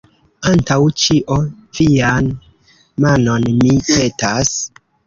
Antaŭ ĉio, vian manon, mi, petas.